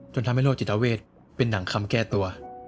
ทำให้โรคจิตเวทเป็นหนังคำแก้ตัว